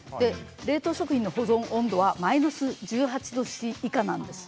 冷凍食品の保存温度はマイナス１８度以下なんです。